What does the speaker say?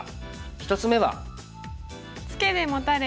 １つ目は。